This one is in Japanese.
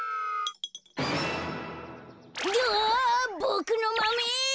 どわボクのマメ！